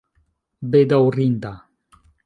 bedaŭrinda